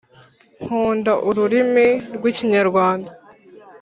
Nkunda ururimi rw’ikinyarwanda